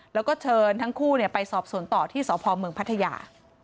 แล้วก็เชิญทั้งคู่ไปสอบสวนต่อที่สพเมืองพัทยา